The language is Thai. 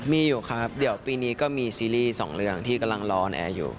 มีอยู่ครับเดี๋ยวปีนี้ก็มีซีรีส์สองเรื่องที่กำลังรออนแอร์อยู่